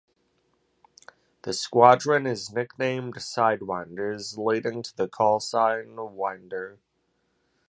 The squadron is nicknamed "Sidewinders", leading to the call sign "Winder".